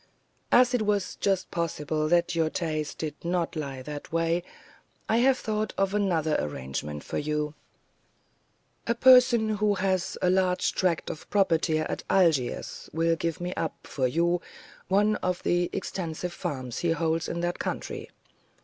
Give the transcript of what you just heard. "As it was just possible that your taste did not lie that way, I have thought of another arrangement for you. A person who has a large tract of property at Algiers will give me up, for you, one of the extensive farms he holds in that country.